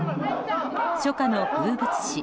初夏の風物詩